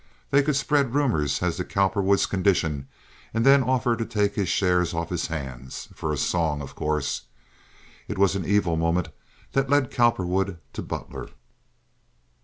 They could spread rumors as to Cowperwood's condition and then offer to take his shares off his hands—for a song, of course. It was an evil moment that led Cowperwood to Butler.